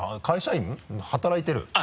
会社員？働いてる？